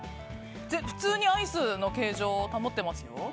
普通にアイスの形状を保ってますよ。